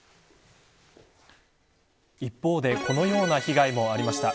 一方でこのような被害もありました。